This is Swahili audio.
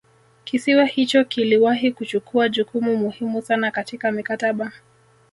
Kisiwa hicho kiliwahi kuchukua jukumu muhimu sana katika mikataba